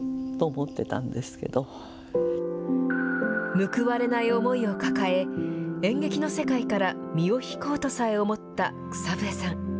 報われない思いを抱え、演劇の世界から身を引こうとさえ思った草笛さん。